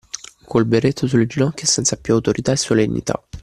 Col berretto sulle ginocchia e senza più autorità e solennità.